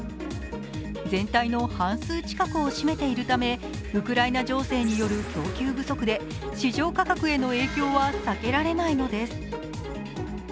全体の半数近くを占めているためウクライナ情勢による供給不足で市場価格への影響は避けられないのです。